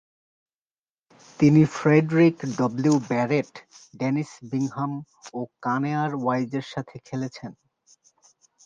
তিনি Frederick W. Barrett, Dennis Bingham ও কানেয়ার ওয়াইজের সাথে খেলেছেন।